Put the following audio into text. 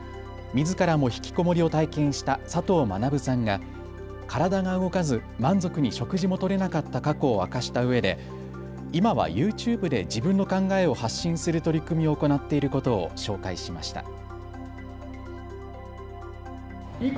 みずからもひきこもりを体験したさとう学さんが体が動かず満足に食事もとれなかった過去を明かしたうえで今はユーチューブで自分の考えを発信する取り組みを行っていることを紹介しました。